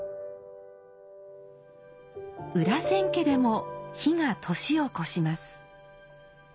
裏千家でも火が年を越します。